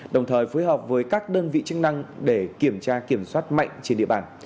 đồng thời phối hợp với các đơn vị chức năng để kiểm tra kiểm soát mạnh trên địa bàn